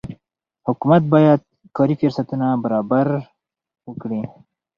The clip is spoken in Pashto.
حکومت باید کاري فرصتونه برابر وکړي.